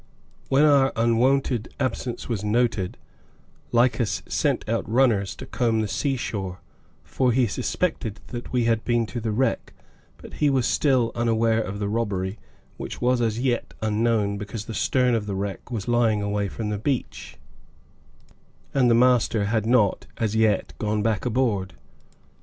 When our unwonted absence was noted, Lycas sent out runners to comb the sea shore, for he suspected that we had been to the wreck, but he was still unaware of the robbery, which was yet unknown because the stern of the wreck was lying away from the beach, and the master had not, as yet, gone back aboard.